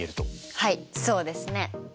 はいそうですね。